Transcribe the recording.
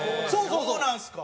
そうなんですか。